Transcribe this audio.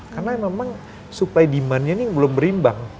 karena memang supply demandnya ini belum berimbang